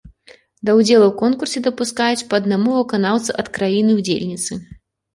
Да ўдзелу ў конкурсе дапускаюць па аднаму выканаўцу ад краіны-ўдзельніцы.